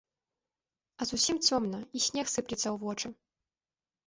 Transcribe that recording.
А зусім цёмна, і снег сыплецца ў вочы.